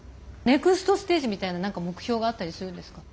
ネクストステージみたいな何か目標があったりするんですか？